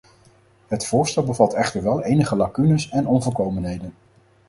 Het voorstel bevat echter wel enige lacunes en onvolkomenheden.